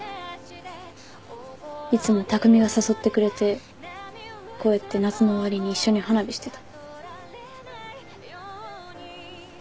いつも匠が誘ってくれてこうやって夏の終わりに一緒に花火してた。